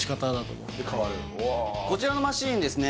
こちらのマシーンですね